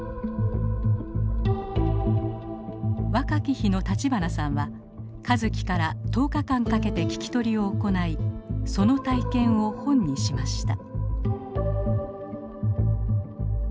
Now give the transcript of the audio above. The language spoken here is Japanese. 若き日の立花さんは香月から１０日間かけて聞き取りを行いその体験を本にしました。